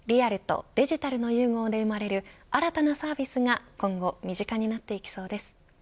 リアルとデジタルの融合で生まれる新たなサービスが今後身近になっていきそうです。